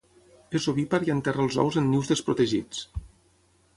És ovípar i enterra els ous en nius desprotegits.